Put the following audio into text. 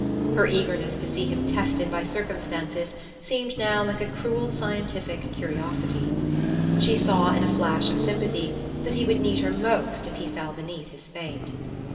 Her eagerness to see him tested by circumstances seemed now like a cruel scientific curiosity. She saw in a flash of sympathy that he would need her most if he fell beneath his fate.